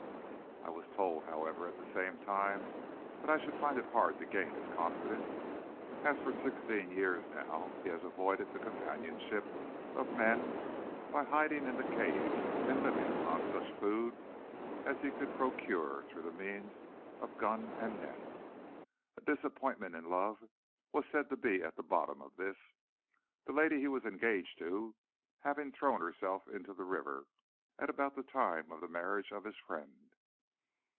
I was told, however, at the same time, that I should find it hard to gain his confidence, as for sixteen years now he had avoided the companionship of men, by hiding in the caves and living upon such food as he could procure through the means of gun and net. A disappointment in love was said to be at the bottom of this, the lady he was engaged to having thrown herself into the river at about the time of the marriage of his friend.